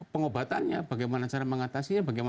pengobatannya bagaimana cara mengatasi